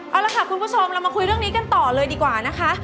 เอาละค่ะคุณผู้ชมเรามาคุยเรื่องนี้กันต่อเลยดีกว่านะคะ